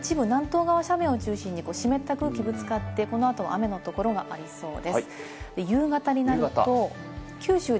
はい、紀伊半島など一部、南東側斜面を中心に湿った空気ぶつかって、このあとも雨のところがありそうです。